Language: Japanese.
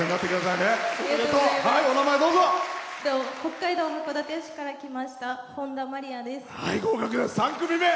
北海道函館市から来ましたほんだです。